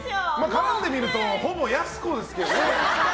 絡んでみるとほぼ、やす子ですけどね。